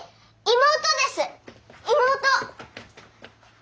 妹！